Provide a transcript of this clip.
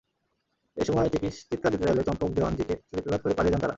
এ সময় চিৎকার দিতে চাইলে চম্পক দেওয়ানজীকে ছুরিকাঘাত করে পালিয়ে যান তাঁরা।